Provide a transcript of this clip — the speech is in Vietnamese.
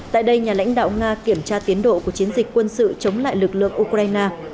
tại đây nhà lãnh đạo nga kiểm tra tiến độ của chiến dịch quân sự chống lại lực lượng ukraine